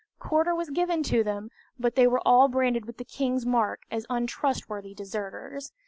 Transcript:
Quarter was given to them, but they were all branded with the king's mark as untrustworthy deserters.